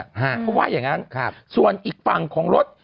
เขาว่าอย่างนั้นส่วนอีกฝั่งของรถ